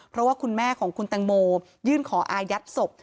เพราะว่าคุณแม่ของคุณแตงโมยื่นขออายัดศพ